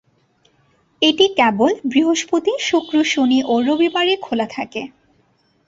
এটি কেবল বৃহস্পতি, শুক্র, শনি ও রবিবারে খোলা থাকে।